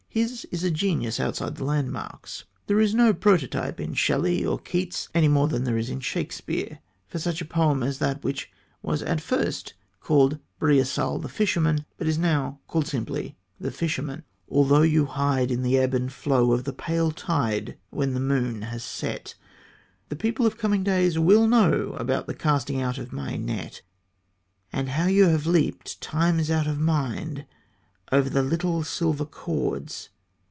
His is a genius outside the landmarks. There is no prototype in Shelley or Keats, any more than there is in Shakespeare, for such a poem as that which was at first called Breasal the Fisherman, but is now called simply The Fisherman: Although you hide in the ebb and flow Of the pale tide when the moon has set, The people of coming days will know About the casting out of my net, And how you have leaped times out of mind Over the little silver cords.